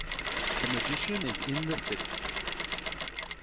The Magician is in the City!